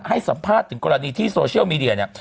ให้สัมภาษณ์ถึงกรณีที่โซเชียลมีเดียเนี่ย